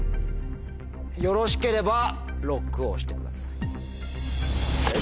よろしければＬＯＣＫを押してください。